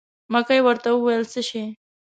مکۍ ورته وویل: څه شی.